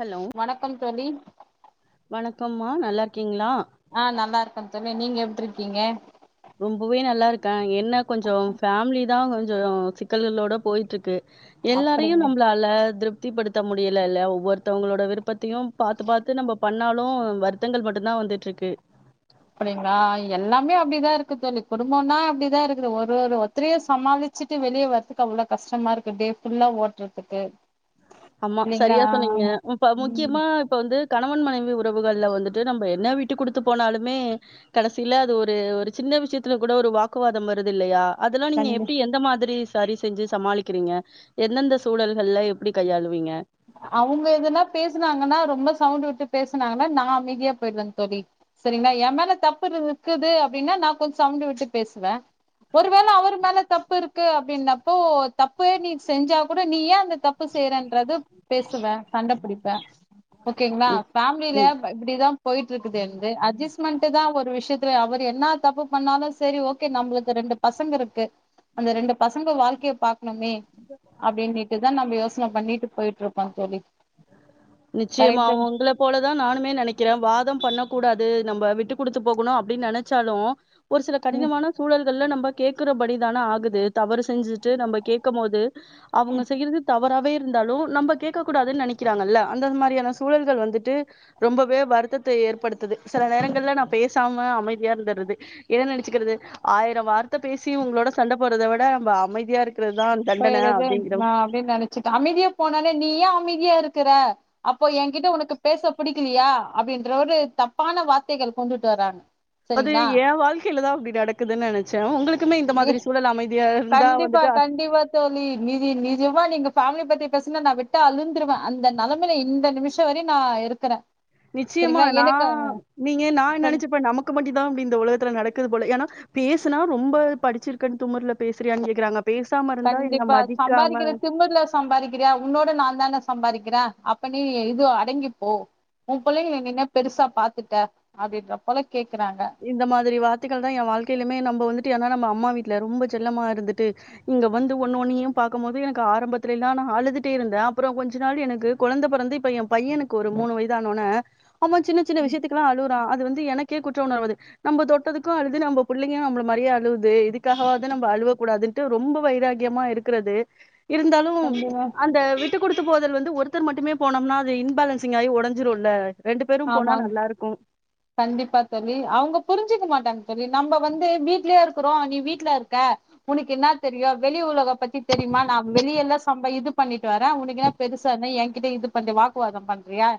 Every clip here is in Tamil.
ஹலோ வணக்கம் தோலி அப்போம்மா நல்லா இருக்கீங்களா ஆஹ நல்லா இருக்கன் தோலி நீங்க எப்டி இருக்கீங்க ரொம்பவே நல்லா இருக்கே என் என்ன கொஞ்சம் பேமிலி தான் கொஞ்சம் சிக்கல்களோட போயிட்டு இருக்கு எல்லாரையும் அப்படிங்க நம்மலால திருப் த்திப்படுத்த முடியலல ஒவ்வொருத்தவங்களோட விருப்பத்தையும் பாத்து பார்த்து நம்ம பண்ணாலும் வருத்தங்கள் மட்டும்தான் வந்துட்டு இருக்கு அப்படிங்களா எல்லாமே அப்படிதான் இருக்கு தோலி குடும்பொனா அப்டிதான் இருக்குது ஒரு ஒருத்தரைய சமாளிச்சுட்டு வெளியே வரதுக்கு அவ்வளவு கஷ்டமா இருக்கு டே புல்லா ஓட்டுறதுக்கு ஆமா இல்லைங்களா சரியா சொன்னீங்க இப்ப ம் முக்கியமா இப்ப வந்துட கணவன் மனைவி உறவுகள்ல வந்துட்டு நம்ம என்ன விட்டு கொடுத்து போனாலுமே கடைசியில அது ஒரு ஒரு சின்ன விஷயத்துல கூட ஒரு வாக்குவாதம் வருது இல்லையா அதெல்லாம் நீங்க கண்டி எப்படி எந்த மாதிரி சரி செஞ்சு சமாளிக்கிறீங்க எந்தெந்த சூழல்கள்ல எப்டி கையாளுவிங்க அவங்க எதனா பேசனாங்கன்னா ரொம்ப சவுண்ட் விட்டு பேசனாங்கன்னா நான் அமைதியா போயிடுவேன் தோலி சரிங்களா என் மேல தப்பு இருக்குது அப்படின்னா நான் கொஞ்சம் சவுண்ட் விட்டு பேசுவேன் ஒருவேள அவர் மேல தப்பு இருக்கு அப்படின்னப்போ தப்பே நீ செஞ்சா கூட நீ ஏன் அந்த தப்பு செய்யறன்றது பேசுவேன் சண்டபுடி பான் ஓகேங்களா நீங்க பேமிலில எப்டிதான் போயிட்டு இருக்குதுந்து அட்ஜஸமெண்ட் தான் ஒரு விஷயத்துல அவர் என்னா தப்பு பண்ணாலும் செரி ஓகே நம்மளுக்கு ரெண்டு பசங்க இருக்கு அந்த ரெண்டு பசங்க வாழ்க்கைய பா னுமே அப்டின்னுட்டுதான் நம்ம யோசன பண்ணிட்டு போயிட்டு இருக்கோ பஞ்சலி நிச்சயமா உங்கள போலதான் நானுமே நினைக்கிறேன் வாதம் பண்ண கூடாது நம்ம விட்டு கொடுத்து போகணும் அப்படின்னு நினைச்சாலும் ஒரு சில ம் கடினமான சூழல்கள்ல நம்ப கேக்குறபடி தானா ஆகுது தவறு செஞ்சுட்டு நம்ம கேட்க போது அவங்க செய்யறது தாப் அவராவே இருந்தாலும் நம்ம கேக்க கூடாதுனு நினைக்கிறாங்கல்ல அந்த மாரியான சூழல்கள் வந்துட்டு ரொம்பவே வருத்தத்தை ஏற்படுத்து சில நேரங்கள்ல நான் பேசாம அமைதியா இருந்துடுது என்ன நினச்சக்கிறது ஆயிரம் வார்த்தை பேசியும் உங்களோட சண்ட போடுறத விட நம்ம அமைதியா இருக் போய்றது அப்படின்னு நினைச்சுட்டு அமைதியா போனாலே நீ ஏன் அமைதியா இருக்கு இருக்கிற அப்போ என்கிட்ட உனக்கு பேச பிடிக்குலியா அப்படின்ற ஒரு தப்பான வார்த்தைகள் கொண்டுட்டு வர்ராங்க அது என் வாழ்க்கையில தான் அப்படி நடக்குதுன்னு நினைச்சேன் உங்களுக்கு கண்டிப்பா அ- கண்டிப்பா தோழி நிஜ நிஜமா எங்க பேமிலி பத்தி பேசனா நான் விட்டா அழுந்துருவேன் அந்த நிலைமையில இந்த நிமிசம் வரையும் நான் இருக்கிறேன் நிச்சயமா நான் நீங்க நான் என்ன சொல்- நினைச்சப்ப நமக்கு மட்டும் தான் அப்படின உலகத்தில் நடக்குது போல பேசினா ரொம்ப படிச்சிருக்க திமர்ல பேசுறாயான்னு கே்கிறாங்க கண்டிப்பா சம்பாதிக்கிற திமிரல சம்பாதிக்கிறியா உன்னோட நான் தானே சம்பாதிக்கிற அப்ப நீ இது அடங்கிப்போ உன் பிள்ளைங்கள என்ன பெருசா பாத்துட்டே அப்படின்ற போல கேக்குறாங்க இந்த மாதிரி வார்த்தைகள் தான் என் வாழ்க்கையிலையுமே நம்ம வந்து ஆனா நம்ம அம்மா வீட்டுல ரொம்ப செல்லமா இருந்துட்டு இங்க வந்து ஒன்னு ஒன்னியும் பார்க்கும் போது எனக்கு ஆரம்பத்தத்துல எல்லா நான் அழுதுட்டே இருந்தேன் அப்ற கொஞ்ச நாள் எனக்கு குழந்தை பிறந்து இப்ப என் பையனுக்கு ஒரு மூணு வயது ஆனவுடனே ஆமா சின்ன சின்ன விஷயத்துக்கு லாம் அழுகுறான் அது வந்து எனக் கீ குட் உணர்வது நம்ம தொட்டத்துக்கும் அழுது நம்ம பிள்ளைங்களும் நம்ம மாறியே அழுகுது இதுக்காகவாது நம்ம அழுவ கூடாதுனுட்டு ரொம்ப வைராக்கியமா இருக்கிறது இருந்தாலும் கண்டிப்பா அந்த விட்டு கொடுத்து போதல் வந்து ஒருத்தர் மட்டுமே போனோம்னா அது இன்பாலன்சிங் ஆகி உடைஞ்சிரும்ல ரெண்டு பேரும் போனா ஆமாங் நல்லா இருக்கும் கண்டிப்பா தோழி அவங்க புரிஞ்சிக்க மாட்டாங்க தோழி நம்ம வந்து வீட்லயே இருக்கிறோம் நீ வீட்ல இருக்க உனக்கு என்ன தெரியும் வெளி உலக பத்தி தெரியுமா நான் வெளிய எல்லாம் சம்ப இது பண்ணிட்டு வரேன் உனக்கு என்ன பெருசான என்கிட்ட இது பண்ற வாக்குவாதம் பண்றியா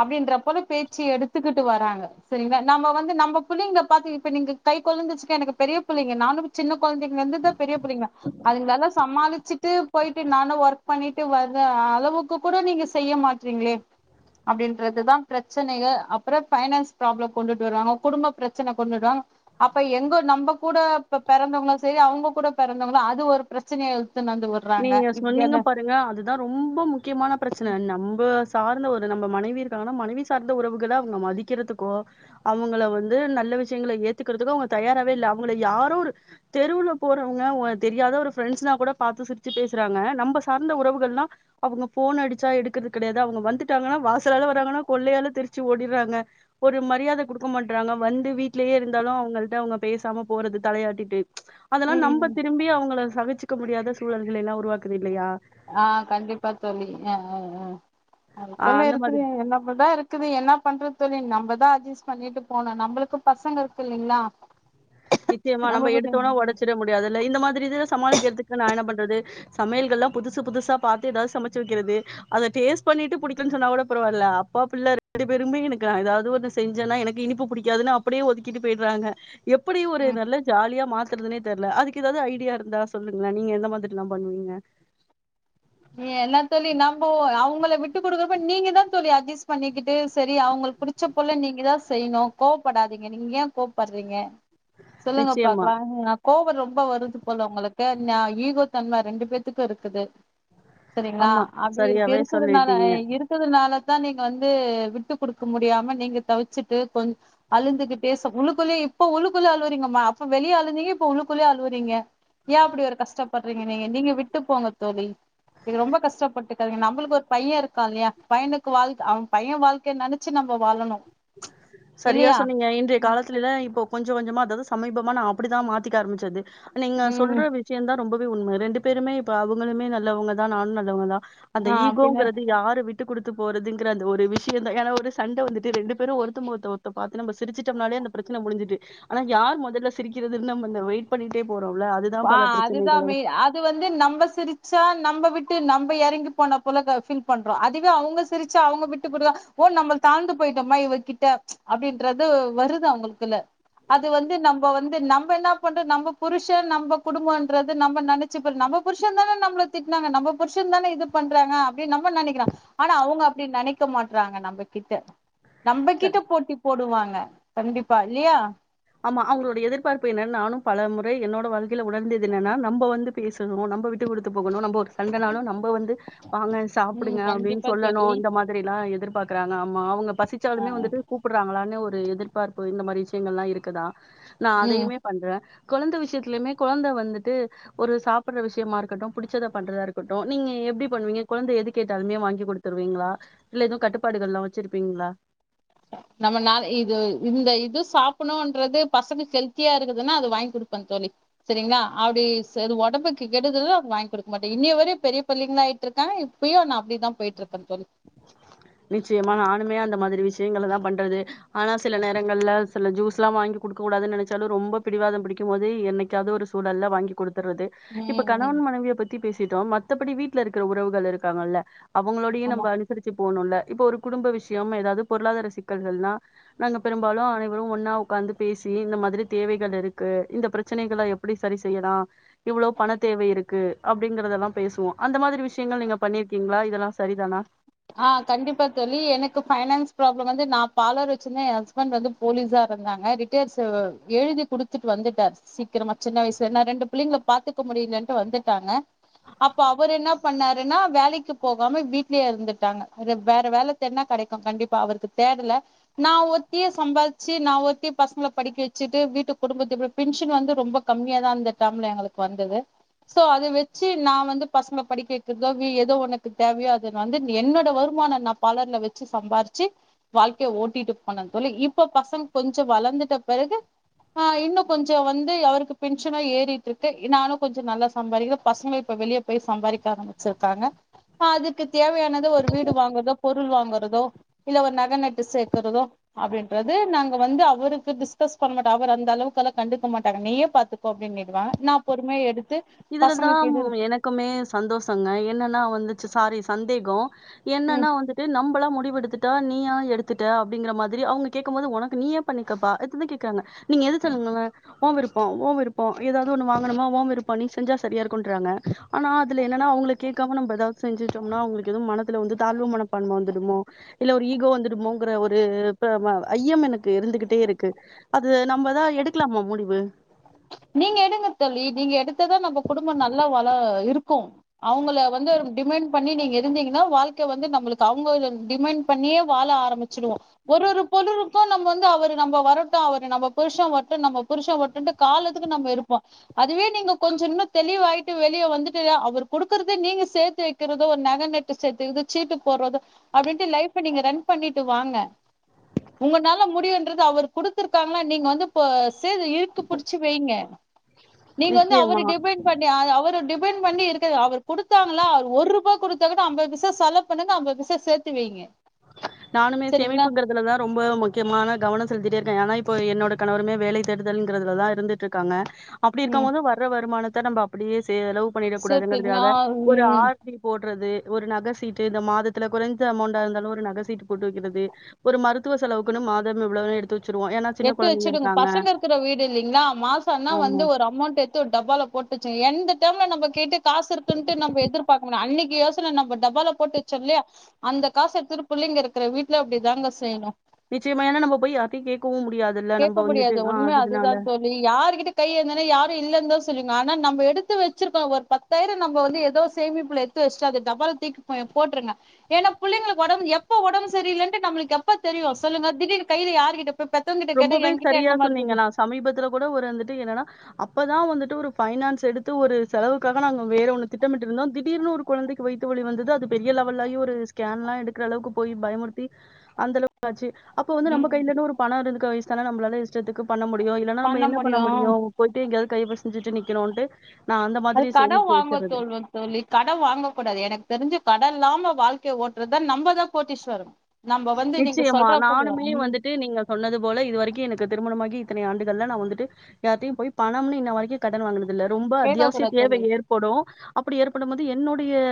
அப்படின்ற போல பேச்சு எடுத்துக்கிட்டு வாராங்க சரிங்களா நம்ம வந்து நம்ம புள்ளைங்க பாத்தீ இப்ப நீங்க கை கொலந்தங்க எனக்கு பெரிய பிள்ளைங்க நானும் சின்ன குழந்தைங்க இருந்துதான் பெரிய புள்ளைங்க அதுங்கல்லாம் சமாளிச்சுட்டு போயிட்டு நானும் ஒர்க் பண்ணிட்டு வர்ர அளவுக்கு கூட நீங்க செய்ய மாட்டறீங்களே அப்படின்றது தான் பிரச்சனையே அப்புறம் பைனான்ஸ் ப்ராப்ளம் கொண்டுட்டு வருவாங்க குடும்ப பிரச்சனை கொண்டு வருவாங்க அப்ப எங்க நம்ம கூட பிறந்தவங்களும் சரி அவங்க கூட பிறந்தவங்களு அது ஒரு பிரச்சனையா நீங்க சொன்னீங்க பாருங்க அதுதான் ரொம்ப முக்கியமான பிரச்சனை நம்ப சார்ந்த ஒரு நம்ம மனைவி இருக்காங்கன்னா மனைவி சார்ந்த உறவுகள அவங்க மதிக்கறதுக்கோ அவங்கள வந்து நல்ல விஷயங்களை ஏத்துக்கறதுக்கோ அவங்க தயாராவே இல்லை அவங்க யாரோ ஒரு தெருவுல போறவங்க தெரியாத ஒரு ப்ரெண்ட்ஸ்னா கூட பார்த்து சிரிச் ச்சு பேசுறாங்க நம்ம சார்ந்த உறவுகல்னா அவங்க போன் அடிச்சா எடுக்கறது கிடையாது அவங்க வந்துட்டாங்கன்னா வாசலால வராங்கன்னா கொள்ளையால தெரிச்சி ஓடிட்றாங்க ஒரு மரியாதை கொடுக்க மாட்டறாங்க வந்து வீட்லயே இருந்தாலும் அவங்ககிட்ட அவங்க பேசாம போறது தலையாட்டிட்டு அதெல்லாம் நம் ம் திரும்பி அவங்கள சகிச்சு க்க முடியாத [unintelligible] சூழல்கள் எல்லாம் உருவாக்குது இல்லையா ஆஹ் கண்டிப்பா தோழி அஹ்ஹ்ஹ் ஆ அதுப்போல அந்த மாதிரி இருக்குது என்னப்படதான் இருக்குது என்ன பண்றது தோழி நம்மதான் அட்ஜஸ்ட் பண்ணிட்டு போவனும் நம்மளுக்கு பசங்க இருக்கு இல்லைங்களா நிச்சயமா நம்ம எடுத்தோனா உடச்சிட முடியாதுல இந்த மாதிரி இதுல சமாளிக்கிறதுக்கு நான் என்ன பண்ற து [inaudible] சமையல்கள் எல்லாம் புதுசு புதுசா பாத்து ஏதாவது சமைச்சு வைக்கிறது அத டேஸ்ட் பன்னிட்டு புடிக்கலனா பரவா இல்ல அப்பா புள்ள ரெண்டு பேருமே எனக்கு இனிப்பு புடிக்காது அப்படியே ஒதுக்கிட்டு போயிடுறாங்க எப் எப்படி ஒரு நல்ல ஜாலியா மாத் துறதுனே தெரியல அதுக்கு ஏதாவது ஐடியா இருந்தா சொல்லுங்க நீங்க எந்த மாதிரி எல்லாம் பண்ணுவீங்க ஏ என்ன தோழி நம்ப அவ உங்கள விட்டு கொடுக்குறப்ப நீங்க தான் தோழி அட்ஜஸ்ட் பண்ணிக்கிட்டு சரி அவங்களுக்கு புடிச்ச போல நீங்க தான் செய்யணும் கோவப்படாதீங்க நீங்க ஏன் கோவப்படுறீங்க சொல்லுங்க நிச்சயமா பாக்கலாம் கோபம் ரொம்ப வருது போல உங்களு நா ஈகோ தன்ம ரெண்டு பேத்துக்கும் இருக்குது சரிங்களா ஆமா அப்படி இருக்கு சரியாவே இருக்கதுனால சொல்லிட்டீங்க இருக்கதுனால தான் நீங்க வந்து விட்டு குடுக்க முடியாம நீங்க தவிச்சுட்டு கொஞ் அழுந்துகிட்டு உள்ளுக்குள்ளேயே இப்ப உள்ளுக்குள்ளயே அழுவுறீங்கம்மா அப்ப வெளியே அழுந்தீங்க இப்ப உள்ளக்குள்ளயே அழுவுறீங்க ஏன் அப்படி ஒரு கஷ்டப்படுறீங்க நீங்க நீங்க விட்டு போங்க தோழி இது ரொம்ப கஷ்டப்பட்டுக்காதீங்க நம்மளுக்கு ஒரு பையன் இருக்கான் இல்லையா பையனுக்கு வாழ அவன் பையன் வாழ்க்கைன்னு நெனைச்சு நம்ம வாழணும் சரியா சொன்னீங்க இன்றைய காலத்துல தா இப்போ கொஞ்ச கொஞ்சமா அதாவது சமீபமா நா அப்படிதான் மாத்திக்க ஆரமிச்சது நீங்க ம் சொல்ற விஷயம் தான் ரொம்ப உண்ம ரெண்டு பேருமே இப்ப அவங்களுமே நல்லவங்க தான் நானும் நல்லவங்க தான் அந்த ஆ பின்ன ஈகோங்கறது யாரு விட்டு குடுத் போறதுங்கிற அந்த ஒரு விஷயதா ஏனா ஒரு சண்ட வந்துட்டு ரெண்டு பேரும் ஒருத்த ஒருத்தர் முகத்தை ஒருத்தர் பாத்து நம்ப சிரிச்சிட்டோம்னால அந்த பிரச்சன முடிஞ்சுது ஆனா யார் முதல்ல சிரிக்கிறது வெயிட் பண்ணிட்டே போ ஆஹ் அதுதான் மெயின் அது வந்து நம்ம சிரிச்சா நம்ம விட் நம்ம விட்டு இறங்கி போன போல பீல் பண்றோம் அதுவே அவங்க சிரிச்சு அவங்க விட்டு போடுவ ஓ நம்ம தாழ்ந்து போயிட்டோம்மா இவகிட்ட அப்படின்றது வருது அவங்களுக்குல அது வந்து நம்ம வந்து நம்ம என்ன பண்றோம் நம்ம புருஷன் நம் நம்ம குடும்பம்ன்றது நம்ம நெனச்சு நம்ம புருஷன் தானே நம்மள திட்டினாங்க நம்ம புருஷன் தானே இது பண்றாங்க அப்படின்னு நம்ம நெனைக்கிறம் ஆனா அவங்க அப்படி நெனைக்க மாட்டறாங்க நம்ம கிட்ட நம்ப கிட்ட போட்டி போடுவாங்க கண்டிப்பா இல்லியா ஆமா அவங்களோட எதிர்பார்ப்பு என்ன நானும் பல முறை என்னோட வாழ்கையில உணர்ந்தது என்ன்னா நம்ம வந்து பேசணும் நம்ம விட்டு கொடுத்து போகணும் நம்ம சண்டனாலும் நம்ம வந்து வாங்க ம் சாப்பிடுங்க அப்படின்னு கண்டிப்பா சொல்லணும் தோழி இந்த மாதிரி எல்லாம் எதிர்பார் இருக்குறாங்க அவங்க ஆ பசிச்சாலுமே வந்துட்டு கூப்பிடுறாங்களான்னு ஒரு எதிர்ப்பு பார்ப்பு இந்த மாரி விஷயங்கள்லாம் இருக்கு இருக்குதா நான் ம் அதையுமே பண்றேன் கொழந்தை விஷயத்தலயுமே கொழந்தை வந்துட்டு ஒரு சாப்பிடடுற விஷயமா இருக்கட்டும் புடிச்சத பண்றதா இருக்கட்டும் நீங்க எப்படி பண்ணுவீங்க கொழந்தை எது கேட்டாலுமே வாங்கி குடுத்துருவீங்களா இல்ல எதுவும் கட்டுப்பாடுகள் எல்லாம் வச்சிருப்பீங்களா நம்ம நா இது இந்த இது சாப்பணும்ன்றது பசங்க ஹெல்த்தியா இருக்குதுன்னா அது வாங்கி கொடுப்பேன் சொல்லி சரிங்களா அப்படி இது ஒடம்புக்கு கெடுதல்ன்னா அது வாங்கி குடுக்க மாட்டேன் இன்னியவரையும் பெரியபுள்ளிங்களா ஆயிட்டுருக்காங்க இப்பயும் நான் அப்படிதான் போயிட்டு இருக்க தோழி நிச்சயமா நானுமே அந்த ம் மாதிரி விஷயங்கள தான் பண்ணி பண்றது ஆனா சில நேரங்கள்ல சில ஜூஸ் லாம் வாங்கி குடுக்க கூடாது நெனச்சாலும் ரொம்ப பிடிவாதம் பிடிக்கும் போது என்னைக்காது ஒரு சூழல்ல வாங்கி குடுத்து வருது ம் இப்ப ம் கணவன் மனைவிய பத்தி பேச மத்தபடி வீட்டுல இருக்கிற உறவுகள் இருக்காங்கல்ல அவங்களோடையும் ஆமா நம்ப அ போகணும்ல இப்ப ஒரு குடும்ப விஷயம் ஏதாவது பொருளாதார சிக்கல்கள்னா நாங்க பெரும்பாலும் அனைவரும் ஒன்னா உட்காந்து பேசி இந்த மாதிரி தேவைகள் இருக்கு இந்த பிரச்சனைகளை எப்படி சரி செய்யலாம் இவ்வளவு பண தேவை இருக்கு அப்படிங்கறதெல்லாம் பேசுவோம் அந்த மாதிரி விஷயங்கள் நீங்க பண்ணிருக்கீங்களா இதெல்லாம் சரிதானா ஆஹ கண்டிப்பா தோழி எனக்கு பைனான்ஸ் ப்ராப்ளம் வந்து நான் பாலர் வச்சிருந்தன் என் ஹஸ்பண்ட் வந்து போலீஸா இருந்தாங்க ரிட்டர் எழுதி குடுத்துட்டு வந்துட்டார் சீக்கிரமா சின்ன வயசுலன ரெண்டு பிள்ளைங்க பாத்துக்க முடியலட்டு வந்துட்டாங்க அப்ப அவரு என்ன பண்ணாருன்னா வேலைக்கு போகாம வீட்லயே இருந்து வேற வேல தேடனா கிடைக்கும் கண்டிப்பா அவருக்கு தேடல நான் ஒத்தியே சம்பாதிச்சு நான் ஒத்தி பசங்க படிக்க வச்சுட்டு வீட்டு குடும்பத்த பெஷன் வந்து ரொம்ப கம்மியா தான் டைம்ல எங்களுக்கு வந்தது சோ அத வச்சு நான் வந்து பசங்க படிக்க வைக்கிறதோ ஏதோ உனக்கு தேவையோ அது வந்து என்னோட வருமானம் நான் பர்லர்ல வச்சு சம்பாதிச்சு வாழ்க்கையை ஓட்டிட்டு போனே தோழி இப்ப பசங்க கொஞ்சம் வளர்ந்துட்ட பிறகு இன்னும் கொஞ்சம் வந்து அவருக்கு பென்ஷனா ஏறிட்டு இருக்கு நானும் கொஞ்சம் நல்லா சம்பாதிக்கன் பசங்க இப்ப வெளிய போய் சம்பாதிக்க ஆரம்பிச்சிருக்காங்க அதுக்கு தேவையான ஒரு வீடு வாங்கறதோ பொருள் வாங்கறதோ இல்ல ஒரு நகை நட்டு சேர்க்கறதோ அப்படிங்குறது வந்து அவருக்கு டிஸ்கஸ் பண்ணட்டந்த அளவு கண்டுக்க மாட்ட பாத்து நான் பொறும எடு இதுலதான் எனக்குமே சந்தோஷங்க என்னன்னா வந்துச்சு சாரி சந்தேகம் ம் என்னன்னா வந்துட்டு நம்பளா முடிவெடு [unintelligible] பண்ணி செஞ்சா சரியா இரு கொண்டுறாங்க ஆனா அதுல என்னன்னா அவங்க கேட்காம நம்ம ஏதாவது செஞ்சுச்சோம்னா அவங்களுக்கு எதவும் மனத்துல வந்து தாழ்வு மனப்பான்மை வந்துடுமோ இல்ல ஒரு ஈகோ வந்துடுமோங்கிற ஒரு ஐயம் எனக்கு இருந்துகிட்டே இருக்கு அது நம்மதான் எடுக்கலாமா முடிவு நீங்க எடுங்க தோழி நீங்க எடுத்ததான் நம்ம குடும்பம் நல்லா வள இரு இருக்கும் அவங்கள வந்து டிண்ட் பண்ணி நீங்க இருந்தீங்கன்னா வாழ்க்க வந்து ந அவங்க டிமண்ட் பண்ணியே வாழ ஆரம்பிச்சவோம் ஒரு ஒரு பொருருக்கும் நம்ம வ அவ நம்ம வரட்டும் அவ நம்மருஷ வரும் நம்மரு கால ந இருப்போம் அதுவே நீங்க கொஞ்ச தெளிவாயிட்டு வெளியே வந்துட்டு அவ கொடுக்கறத நீங்க சேர்த்து வைக்கிறெர சீட்டு போ ரன் பண்ணிட்டு வாங்க உங்கால முடிவு அவ கொத்துிருக்காங்கள நீங்க வந்து ச இருக்கு புிடிச்சு வைங்க நீங்க வந்து அவர நிச்சயமா. டிபெண்ட் பண்ணி அவர் ஒரு டிபெண்ட் பண்ணி இருக்கு அவர் குடுத்தாங்களா அவர் ஒரு ரூபாய் குடுத்தா கூட அம்பது பைசா செலவு பண்ணுங்க அம்பது பைசா சேர்த்து வைங்க நானுமே சரிங்களா சேமிப்புங்கிறதுலதான் ரொம்ப முக்கியமான கவனம் செலுத்திட்டே இரு பேன் ஆனா இப்போ என்னோட கணவருமே வேல தேடுதல்ங்கிறதுல தான் இருந்துட்டு இருக்காங்க அப்படி இருக்கும் ம் போது வர்ற வருமானத் த நம்ப அப்படியே செலவு சேத்துங்களா பண்ணிடக்கூடாதுங்கிறதுகாக ஒரு ம் ஆரி போடுறது ஒரு நக சீட்டு இந்த மாதத்துல குறைஞ்ச அமௌண்டா இருந்தாலும் நகசீட்டு போட்டு வக்கிறது ஒரு மருத்துவ செலவுக்கு மாதம் எவ்ளவு எடுத்து வச்சுருவோம். ஏன்னா, சின்ன எடுத்து குழந்தைங்க வச்சுடுங்க இருக்காங்க. பசங்க இருக்கிற வீடு இல்லிங்களா மாசம்னா வந்து ஆமா. ஒரு அமௌண்ட் எடுத்து டப்பால போட்டுச்சுங்க எந்த ம் நம்ம கேட்டு காசு இருக்குன்னட்டு நம்ம எதிர்பார்க்க முடியும் அன்னைக்கு யோசன நம்ம டபால போட்டு வச்சோ இல்லயா அந்த காசை திருப்பள்ளிங்க இருக்கிற வீட்டுல அப்படிதாங்க செய்யணும் நிச்சியமா ஏன்ன நம்ப போயி யார்ட்டையும் கேக்கவும் முடி கேட்க முடியாது ஒண்மே அதுதான் சொல்லி யார்கிட்ட கை இருந்தனா யாரும் இல்ல இருந்தா ஆனா நம்ப எடுத்து வச்சிருகோம் ஒரு பத்தாயிரம் நம்ப வந்து ஏதோ சேமிப்புல எடுத்து வச்சிட்டா அந்த டப்பாவுல தூக்கி போற்றுங்க ஏன்ன புள்ளைங்கலுக்கு ஓடம் ஏன்ன எப்ப உடம்பு சரியில்லநு எப்ப தெரியும் சொல்லுங்க திடீர்னு கைல யார்கிட்ட போய் பெத்த ரொம்பவே சரியா சொன்னீங்க நான் சமீபத்துல கூட ஒரு வந்துட்டு என்னன்னா இப்பதான் வந்துட்டு ஒரு பைனான்ஸ் எடுத்து ஒரு செலவுக்காக நாங்க வேற ஒண்ணு திட்டமிட்டு இருந்தோம் திடீர்னு ஒரு குழந்தைக்கு வைத்து ஒி வந்தது அது பெரிய லெவல்லலி ஒரு ஸ்கேன் எல்லாம் எடுக்கிற அளவுக்கு போய் பயமுறுத்தி அந்த அளவுக்குச்சு அப்போ வந்து நம்ம ம் கையில ஒரு பணம் இருந்து வயசுான நம்மள இஷ்டத்துக்கு பண்ண முடியும் இல்லாம்ம என்ன பண்ண முடியும் போய்ட்டு எங்கோவது கை சட்டு நிக்கணண்டு அது கட வாங்கோ தொளுன் தோலி கட வாங்கக் கூடாது எனக்கு தெரிஞ்சு கடன் இல்லாம வாழ்க்கை ஓட்டுறதுதான் நம்மதான் கோடீஸ்வரன் நிச்சயமா நானுமே வந்துட்டு நீங்க சொன்னது போல இது வரக்கும் எனக்கு திருமணமாகி இத்தனை ஆண்டுகள் நான் வந்துட்டு யார்டையும் போய் பணம்னு இன்ன வரக்கும் கடன் வாங்கனது ரொம்ப கேட்க அத்தியாவசிய கூடாது தேவை தோழி ஏற்படும் அ ப்டி ஏற்படும்போது என்னுடையா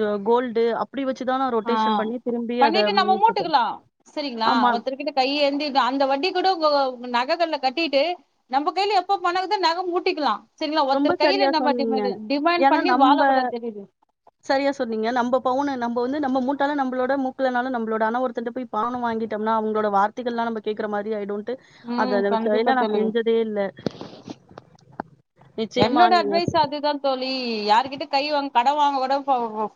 ஜோ கோல்டு அப் அப்டி வச்சுதான் நான் ரொட்டேஷன் பண்ணி திரும்பி அத டுக்கலாம் சரிங்களா ஆமா. ஒருத்தரு கிட்ட கைய் எந்தி அந்த வட்டி கூட உன்கோ நகக்கல்லா கட்டிட்டு நம்ம கையில எப்ப பனங்குதோ நக மூட்டிக்கலாம் ரொம்ப சரியா சொன்னீங்க ஏன்னா பண்ணி வாழ நம்ம கூடாது தெரியுது சரியா சொன்னீங்க நம்ம பவுனு நம்ம இப்போ வந்து நம்ம மூட்டாளு நம்மளோட மூக்கலனாலும் நம்மளோட ஆன ஒருத்தரட்ட போய் பணம் வாங்கிட்டோம்னா அவங்களோட வார்த்தைகள் எல்லாம் கேட்கிற மாரி ஆயிடும் தூ ம் அத நம்ம கண்டிப்பா சைனா நான் தோழி செஞ்சதே இல்ல நிச்சயமா என்னோட நீங்க அட்வைஸ் அதுதான் தோலி இ யாருகிட்ட கை வாங் கட வாங்க கூட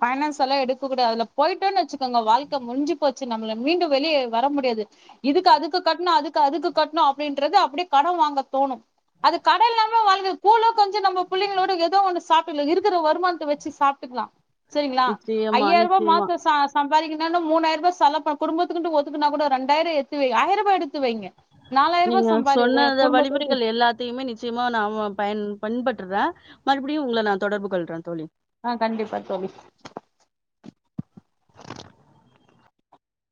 பைனான்ஸ் எல்லாம் எடுக்க கூடா அதுல போயிட்டோன்னு வச்சுக்கோங்க வாழ்க முஞ்ச போச்சு நம்மல மீண்டும் வெளியே வர முடியாது இதுக்கு அதுக்கு கட்டணும் அதுக்கு அதுக்கு கட்டணும் அப்டின்றது அப்டியே கடன் வாங்க தோணும் அது கட இல்லாம வாழ் கூலோ கஞ்சோ நம்ம பிள்ளைங்களோட ஏதோ ஒன்னு சாப்ட்னு இருக்கிற வருமானத்த வச்சு சாப்பிட்டுக்கலாம் சரிங்களா நிச்சயமா, ஐயாயிர ரூபா நிச்சயமா. மாசம் ச வரிகினாலும் மூனாயி ரூாபா செல பா குடும்பத்துக்கு ஒத்துக்கன கூடா ரெண்டாயிரம் எத்து வை ஆயிரூபா எடுத்து வைங்க நாலாயிரூபா நீங்க சம்பாதி சொன்னத குடும்பத்தோடு வழிமுறைகள் எல்லாத்தையுமே நிச்சயமா நாம பயன் பண்பட்டுறேன் மறுபடியும் உங்கள நான் தொடர்பு கொள்றேன் தோலி ஆ கண்டிப்பா தோழி